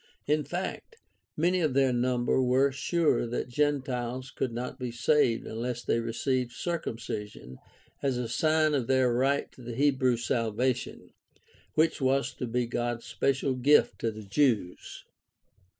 In fact, many of their number were sure that Gentiles could not be saved unless they received circumcision as a sign of their right to the Hebrew salvation, which was to be God's special gift to the Jews.